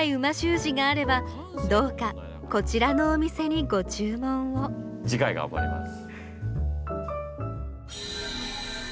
字があればどうかこちらのお店にご注文を次回頑張ります。